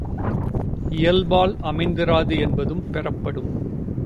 இயல்பாய் அமைந்திராது என்பதும் பெறப்படும்.